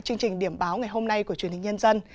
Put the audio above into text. chương trình điểm báo ngày hôm nay của truyền hình nhân dân